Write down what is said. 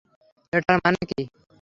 এটার মানে কী?